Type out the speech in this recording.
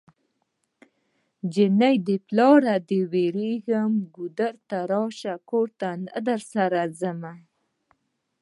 جنۍ د پلاره دی ويريږم ګودر ته راشه کور ته نه درسره ځمه